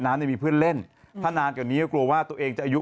เนี่ยมีเพื่อนเล่นถ้านานกว่านี้ก็กลัวว่าตัวเองจะอายุ